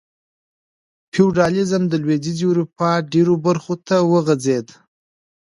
فیوډالېزم د لوېدیځې اروپا ډېرو برخو ته وغځېد.